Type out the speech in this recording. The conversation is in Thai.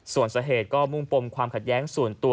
ส่วนสาเหตุก็มุ่งปมความขัดแย้งส่วนตัว